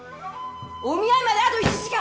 お見合いまであと１時間！